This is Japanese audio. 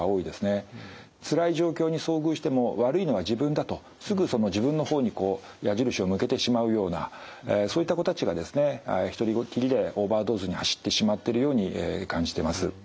つらい状況に遭遇しても悪いのは自分だとすぐその自分の方にこう矢印を向けてしまうようなそういった子たちがですね一人っきりでオーバードーズに走ってしまってるように感じてます。